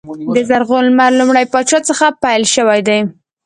د زرغون لمر لومړي پاچا څخه پیل شوی دی.